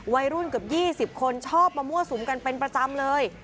วัยรุ่นเกือบ๒๐คนชอบมามั่วสุมกันเป็นประจำเลย